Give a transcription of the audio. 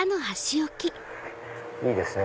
いいですね